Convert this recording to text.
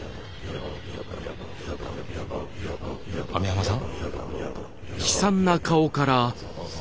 網浜さん。